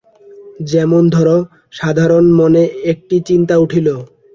যেমন ধর, সাধারণ মনে একটি চিন্তা উঠিল।